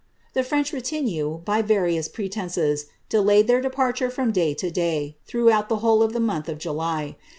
The French retinue, by various pretences, delayed their departure 3m day to day, throughout the whole of the month of July.